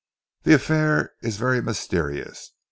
"The affair is very mysterious.